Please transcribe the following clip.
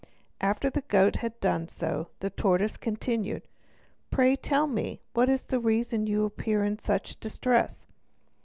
After the goat had done so, the tortoise continued: "Pray tell me what is the reason you appear in such distress?"